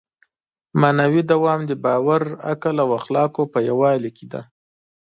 معنوي دوام د باور، عقل او اخلاقو په یووالي کې دی.